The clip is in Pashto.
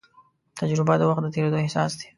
تجربه د وخت د تېرېدو احساس دی.